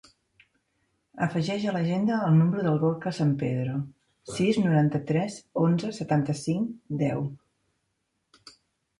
Afegeix a l'agenda el número del Gorka Sampedro: sis, noranta-tres, onze, setanta-cinc, deu.